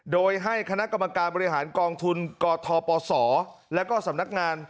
โดยให้คณะกรรมการบริหารกองทุนกทปศและก็สำนักงาน